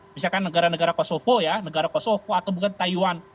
misalkan negara negara kosovo ya negara kosovo atau bukan taiwan